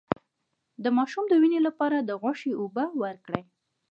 د ماشوم د وینې لپاره د غوښې اوبه ورکړئ